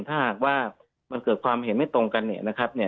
ถ้าหากว่ามันเกิดความเห็นไม่ตรงกันเนี่ยนะครับ